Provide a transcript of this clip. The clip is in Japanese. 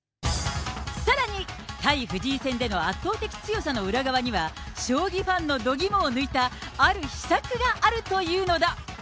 さらに、対藤井戦での圧倒的強さの裏側には、将棋ファンの度肝を抜いたある秘策があるというのだ。